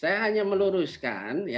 saya hanya meluruskan ya